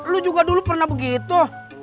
lu juga dulu pernah begitu